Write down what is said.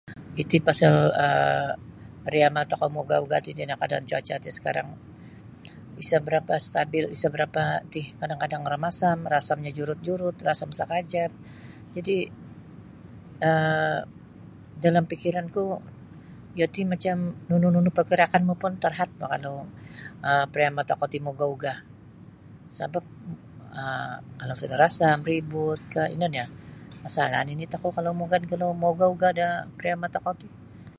Iti pasal um pariama tokou maugah-ugah ti iti nio keadaan cuaca ti sekarang isa berapa stabil isa barapa ti kadang-kadang rumasam rasamnyo jurut-jurut rasam sakajap jadi um dalam pikiranku iyo ti macam nunu nunu pergerakanmu pun terhad bah kalau um pariama tokou ti maugah-ugah sabap um kalau sudah rasam ributkah ino nio masalah nini tokou kalau mugad kalau maugah-ugah da pariama tokou ti.